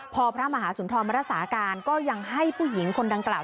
พอพระมหาสุนทรมารักษาการก็ยังให้ผู้หญิงคนดังกล่าว